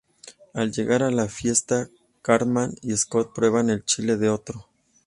Al llegar a la fiesta Cartman y Scott prueban el chile de otro.